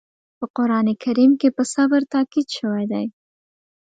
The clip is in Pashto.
په قرآن کریم کې په صبر تاکيد شوی دی.